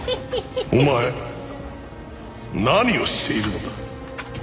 ・お前何をしているのだ？